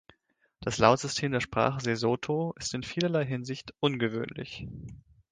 Das Lautsystem der Sprache Sesotho ist in vielerlei Hinsicht ungewöhnlich.